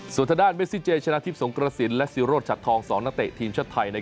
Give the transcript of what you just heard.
ส่วนทางด้านเมซิเจชนะทิพย์สงกระสินและศิโรธชัดทอง๒นักเตะทีมชาติไทย